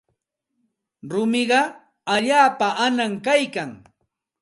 Rumiqa allaapa anam kaykan.